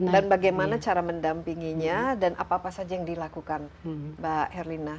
dan bagaimana cara mendampinginya dan apa apa saja yang dilakukan mbak herlina